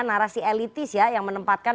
narasi elitis ya yang menempatkan